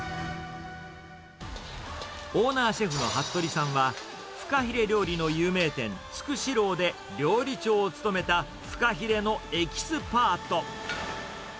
オーナーシェフの服部さんは、フカヒレ料理の有名店、筑紫樓で料理長を務めた、フカヒレのエキスパート。